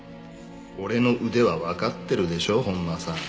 俺の腕はわかってるでしょ本間さん。